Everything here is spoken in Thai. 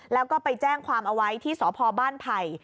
แล้วก็ไปแจ้งความเอาไว้ที่สพบ้านไผ่